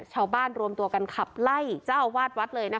รวมตัวกันขับไล่เจ้าวาดวัดเลยนะคะ